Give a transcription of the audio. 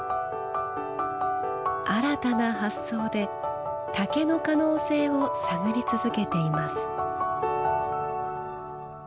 新たな発想で竹の可能性を探り続けています。